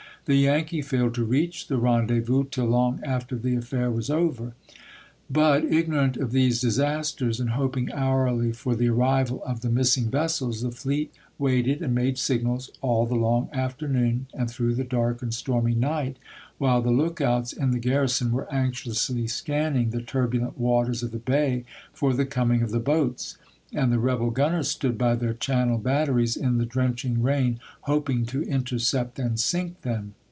The Yankee failed to reach the ren dezvous till long after the affair was over. But, ignorant of these disasters, and hoping hourly for the arrival of the missing vessels, the fleet waited and made signals all the long afternoon and through the dark and stormy night, while the lookouts in the garrison were anxiously scanning the turbulent waters of the bay for the coming of the boats, and the rebel gunners stood by their channel batteries in the drenching rain hoping to intercept and sink them.